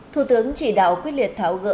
thủ tướng chỉ đạo quyết liệt tháo gỡ khó khăn